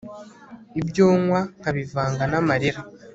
ibyo nywa nkabivanga n'amarira